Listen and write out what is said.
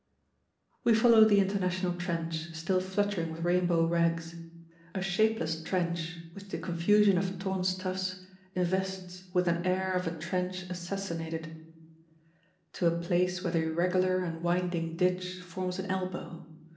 We follow the International Trench, still fluttering with rainbow rags a shapeless trench which the confusion of torn stuffs invests with an air of a trench assassinated to a place where the irregular and winding ditch forms an elbow.